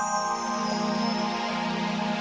sampai jumpa lagi